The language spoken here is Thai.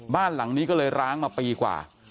บ้านหลังนี้ก็เลยร้างมาปีกว่า